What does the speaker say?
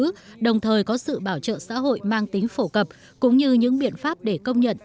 đồng thời có sự bảo trợ xã hội mang tính phổ cập cũng như những biện pháp để công nhận